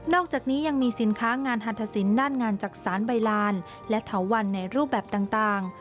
อกจากนี้ยังมีสินค้างานฮันทศิลปด้านงานจักษานใบลานและเถาวันในรูปแบบต่าง